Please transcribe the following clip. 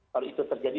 lalu itu terjadi